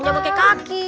jangan pake kaki